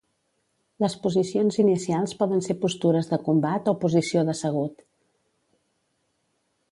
Les posicions inicials poden ser postures de combat o posició d'assegut.